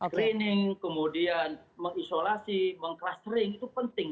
screening kemudian mengisolasi meng clustering itu penting